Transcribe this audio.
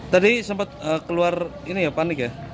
tadi sempat keluar panik ya